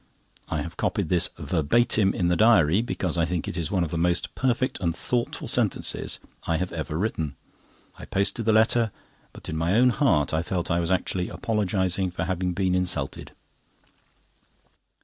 I have copied this verbatim in the diary, because I think it is one of the most perfect and thoughtful sentences I have ever written. I posted the letter, but in my own heart I felt I was actually apologising for having been insulted.